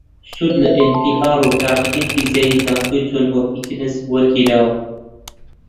سود لە ئێن پی ئاڕ و تاقیگەی فیزیایی زانکۆی جۆن هۆپکینز وەرگیراوە